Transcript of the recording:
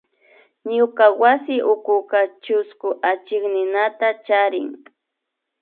Ñuka wasi ukuka chusku achikninata charin